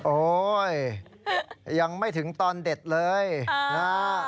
โอ๊ยยังไม่ถึงตอนเด็ดเลยนะฮะ